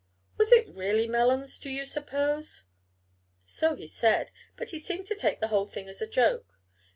"Was it really melons, do you suppose?" "So he said, but he seemed to take the whole thing as a joke.